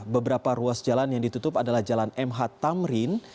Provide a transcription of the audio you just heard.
beberapa ruas jalan yang ditutup adalah jalan mh tamrin